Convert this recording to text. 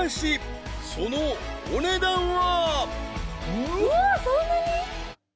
［そのお値段は］